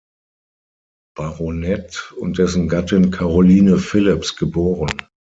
Baronet und dessen Gattin Caroline Philipps geboren.